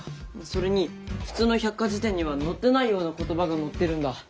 それに普通の百科事典には載ってないような言葉が載ってるんだ。